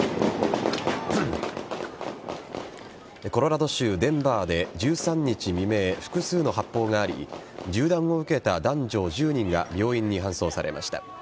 コロラド州デンバーで１３日未明、複数の発砲があり銃弾を受けた男女１０人が病院に搬送されました。